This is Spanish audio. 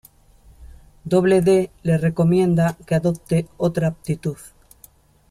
Doble D le recomienda que "adopte otra aptitud".